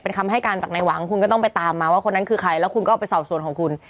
เป็นคำให้การจากในหวังคุณก็ต้องไปตามมาว่าคนนั้นคือใครแล้วคุณก็เอาไปสอบส่วนของคุณ